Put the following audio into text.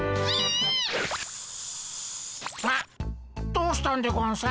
どうしたんでゴンス？